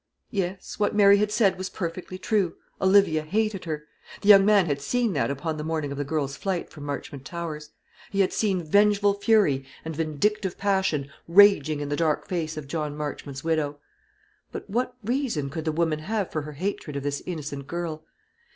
Yes, what Mary had said was perfectly true: Olivia hated her. The young man had seen that upon the morning of the girl's flight from Marchmont Towers; he had seen vengeful fury and vindictive passion raging in the dark face of John Marchmont's widow. But what reason could the woman have for her hatred of this innocent girl?